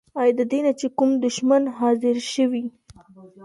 آيا ددينه چې کوم دشمن حاضر شوی؟